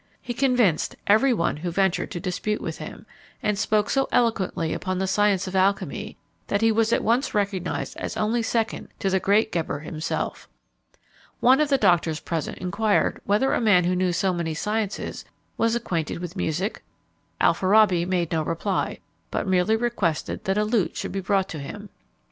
He convinced every one who ventured to dispute with him; and spoke so eloquently upon the science of alchymy, that he was at once recognised as only second to the great Geber himself. One of the doctors present inquired whether a man who knew so many sciences was acquainted with music? Alfarabi made no reply, but merely requested that a lute should be brought him.